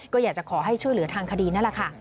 ก็อยากจะขอให้ช่วยเหลือทางคดีนั่นแหละค่ะ